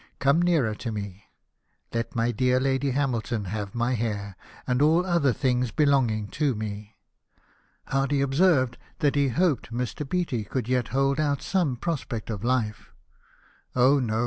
Come nearer to me. Let my dear Lady Hamilton have my hair, and all other things belonging to me." Hardy observed that he hoped Mr. Beatty could yet hold out some prospect of life. " Oh, no !